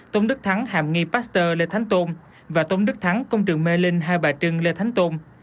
tôn đức thắng hàm nghi pasteur lê thánh tôn và tôn đức thắng công trường mê linh hai bà trưng lê thánh tôn